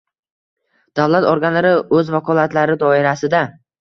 Davlat organlari o‘z vakolatlari doirasida: